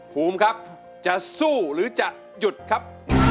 ภูมิครับจะสู้หรือจะหยุดครับ